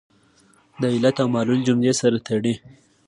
د علت او معلول جملې سره تړي.